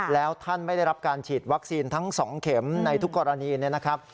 แล้วท่านไม่ได้รับการฉีดวัคซีนทั้ง๒เข็มในทุกกรณีเนี่ยนะครับ